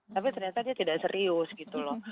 tapi ternyata dia tidak serius gitu loh